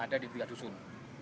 ada di tiga dusun